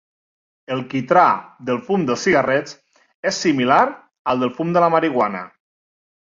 El quitrà del fum dels cigarrets és similar al del fum de la marihuana.